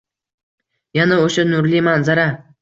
Yana o‘sha nurli manzara